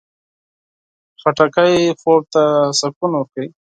خټکی خوب ته سکون ورکوي.